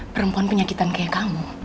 perempuan penyakitan kayak kamu